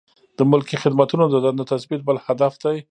د ملکي خدمتونو د دندو تثبیت بل هدف دی.